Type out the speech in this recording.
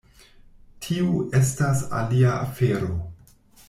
Tiu estas alia afero.